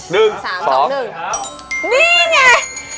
นี่ไง